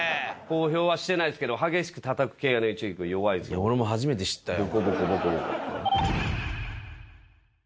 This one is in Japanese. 公表はしてないですけど、激しくたたく系は、ＹｏｕＴｕｂ俺も初めて知ったよ。